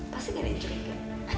pasti gak ada yang curiga